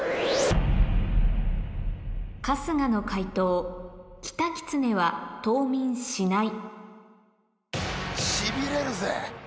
春日の解答「キタキツネは冬眠しない」